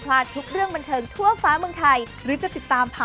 มันเป็นต้นของใจใช่ไหมล่ะ